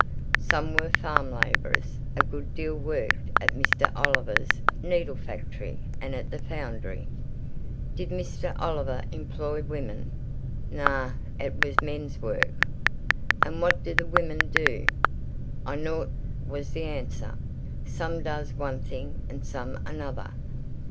"Some were farm labourers; a good deal worked at Mr. Oliver's needle factory, and at the foundry." "Did Mr. Oliver employ women?" "Nay; it was men's work." "And what do the women do?" "I knawn't," was the answer. "Some does one thing, and some another.